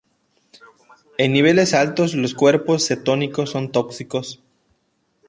En niveles altos, los cuerpos cetónicos son tóxicos.